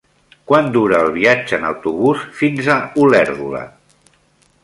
Quant dura el viatge en autobús fins a Olèrdola?